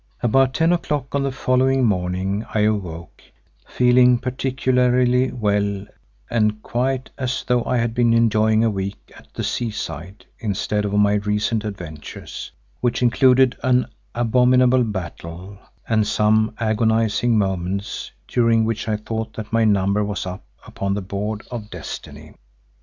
About ten o'clock on the following morning I awoke feeling particularly well and quite as though I had been enjoying a week at the seaside instead of my recent adventures, which included an abominable battle and some agonising moments during which I thought that my number was up upon the board of Destiny.